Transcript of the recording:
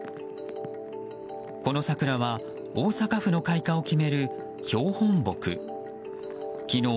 この桜は大阪府の開花を決める標本木。